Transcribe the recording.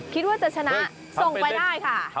คิดว่าจะชนะส่งไปได้ค่ะ